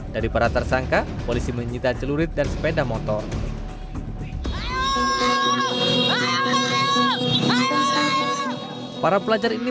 dari para tersangka polisi menyita celurit dan sepeda motor